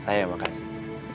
saya yang makasih